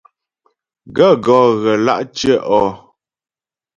Gaə̂ gɔ́ ghə lǎ tyə́'ɔ ?